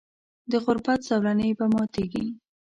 د غربت زولنې به ماتیږي.